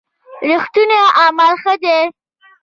رښتوني عمل ښه دی.